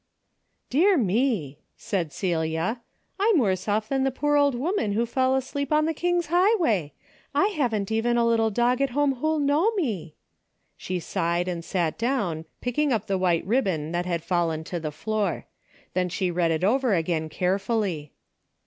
Dear me !" said Celia, " I'm worse olf than the poor old woman who fell asleep on the king's highway. I haven't even a little dog at home who'll know me." She sighed and sat down, picking up the white ribbon that had fallen to the floor. Then she read it over again carefully.